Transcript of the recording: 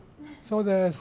そうです。